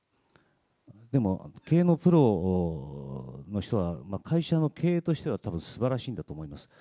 でも、経営のプロの人は、会社の経営としてはたぶんすばらしいんだと思います。